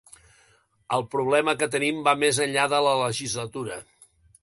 El problema que tenim va més enllà de la legislatura.